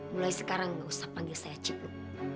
mulai sekarang gak usah panggil saya cipu